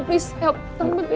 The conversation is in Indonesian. gigi sudah selesai